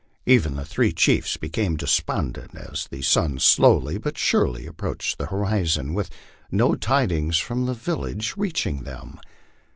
Even the three chiefs became despondent as the sun slowly but surely approached the horizon, and no tid ings from the village reached them.